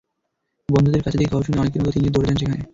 বন্ধুদের কাছ থেকে খবর শুনে অনেকের মতো তিনিও দৌড়ে যান সেখানে।